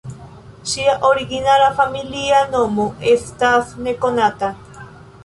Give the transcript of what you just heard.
Ŝia origina familia nomo estas nekonata.